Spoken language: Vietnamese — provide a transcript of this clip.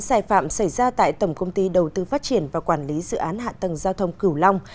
xảy phạm xảy ra tại tổng công ty đầu tư phát triển và quản lý dự án hạ tầng giao thông cửu long